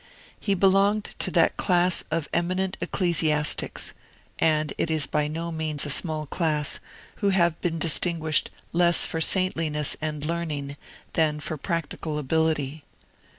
He belonged to that class of eminent ecclesiastics and it is by no means a small class who have been distinguished less for saintliness and learning than for practical ability.